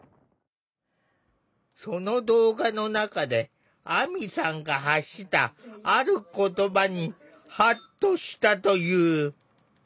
その動画の中で亜美さんが発したある言葉にハッとしたという。